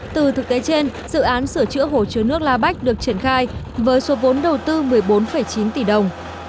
từ thực tế trên dự án sửa chữa hồ chứa nước la bách được triển khai với số vốn đầu tư một mươi bốn chín tỷ đồng